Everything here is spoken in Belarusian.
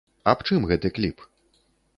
Аб чым гэты кліп?